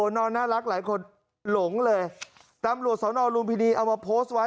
นอนน่ารักหลายคนหลงเลยตำรวจสนลุมพินีเอามาโพสต์ไว้